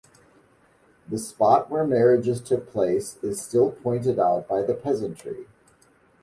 The spot where the marriages took place is still pointed out by the peasantry.